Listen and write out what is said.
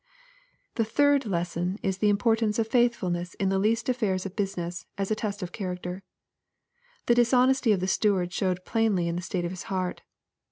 — The third lesson is the importance of faithfulness in the least affairs of business, as a test of character. The dishonesty of the steward showed plainly the state of his heart.